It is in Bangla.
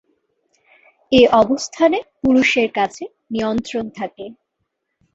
এ অবস্থানে পুরুষের কাছে নিয়ন্ত্রণ থাকে।